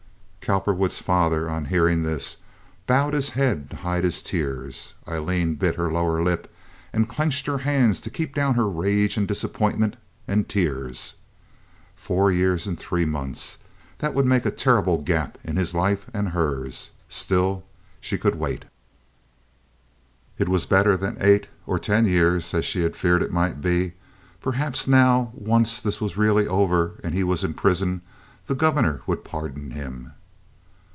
Cowperwood's father, on hearing this, bowed his head to hide his tears. Aileen bit her lower lip and clenched her hands to keep down her rage and disappointment and tears. Four years and three months! That would make a terrible gap in his life and hers. Still, she could wait. It was better than eight or ten years, as she had feared it might be. Perhaps now, once this was really over and he was in prison, the Governor would pardon him.